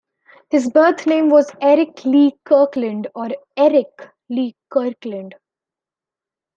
His birth name was Eric Lee Kirkland or Erik Lee Kirkland.